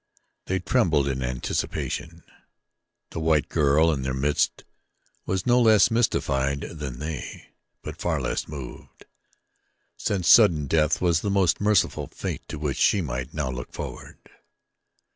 They trembled in anticipation. The white girl in their midst was no less mystified than they; but far less moved, since sudden death was the most merciful fate to which she might now look forward.